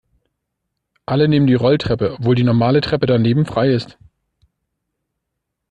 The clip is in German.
Alle nehmen die Rolltreppe, obwohl die normale Treppe daneben frei ist.